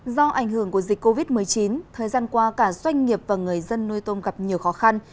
do ảnh hưởng của dịch covid một mươi chín thời gian qua cả doanh nghiệp và người dân nuôi tôm gặp nhiều khó khăn